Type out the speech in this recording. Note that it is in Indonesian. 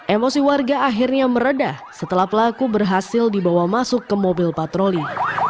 emosi warga akhirnya meredah setelah pelaku berhasil dibawa masuk ke mobil patroli